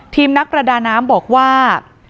นักประดาน้ำบอกว่า